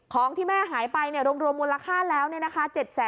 ของที่แม่หายไปรวมมูลค่าแล้วเนี่ยนะคะ